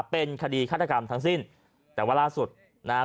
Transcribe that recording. เป็นคดีฆาตกรรมทั้งสิ้นแต่ว่าล่าสุดนะฮะ